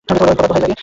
খোদার দোহাই লাগে!